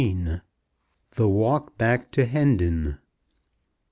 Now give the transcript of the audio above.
THE WALK BACK TO HENDON.